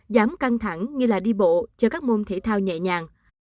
giảm căng thẳng như đi bộ cho các môn thể thao nhẹ nhàng